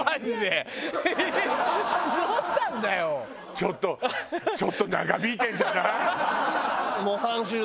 ちょっとちょっと長引いてるんじゃない？